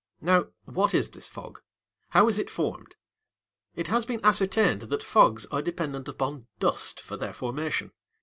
Now, what is this fog? How is it formed? It has been ascertained that fogs are dependent upon dust for their formation.